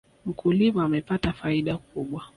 Mkulima amepata faida kubwa